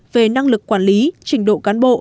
về năng lực quản lý trình độ cán bộ